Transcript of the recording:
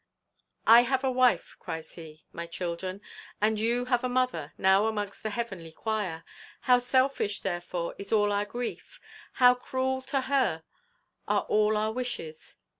'I have a wife,' cries he, 'my children, and you have a mother, now amongst the heavenly choir; how selfish therefore is all our grief! how cruel to her are all our wishes!